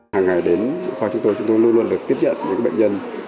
hàng ngày đến khoa chúng tôi chúng tôi luôn luôn được tiếp nhận những bệnh nhân